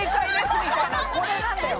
これなんだよ。